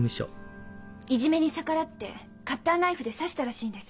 いじめに逆らってカッターナイフで刺したらしいんです。